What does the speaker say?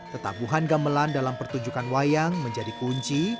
ketabuhan gamelan dalam pertunjukan wayang menjadi kunci